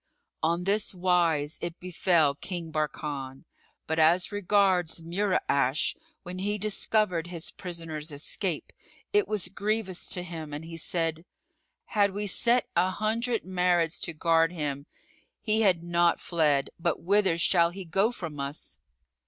On this wise it befel King Barkan; but as regards Mura'ash, when he discovered his prisoner's escape, it was grievous to him and he said, "Had we set an hundred Marids to guard him, he had not fled; but whither shall he go from us?"